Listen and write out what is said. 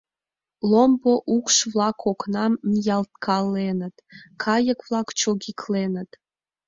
Ломбо укш-влак окнам ниялткаленыт, кайык-влак чогикленыт.